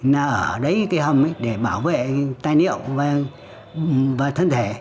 là ở đấy cái hầm ấy để bảo vệ tai niệm và thân thể